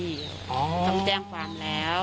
ต้องแจ้งความแล้ว